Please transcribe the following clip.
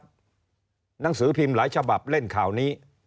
หนังสือพิมพ์หลายฉบับเล่นข่าวนี้